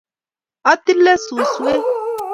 atile suskwek